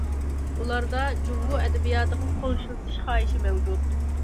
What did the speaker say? ئۇلاردا جۇڭگو ئەدەبىياتىغا قول شىلتىش خاھىشى مەۋجۇت.